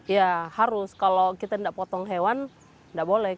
ya harus kalau kita tidak potong hewan tidak boleh